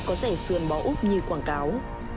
có rẻ sườn bò úc như quảng cáo